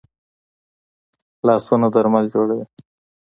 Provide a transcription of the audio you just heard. لاسونه درمل جوړوي